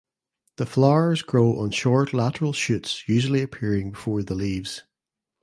The flowers grow on short lateral shoots usually appearing before the leaves.